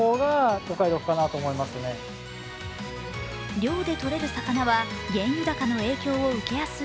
漁で取れる魚は原油高の影響を受けやすい